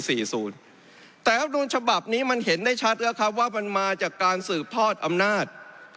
แต่รัฐธรรมนูลฉบับนี้นะเห็นได้ชัดว่ามันมาจากการสืบทอดอำนาจ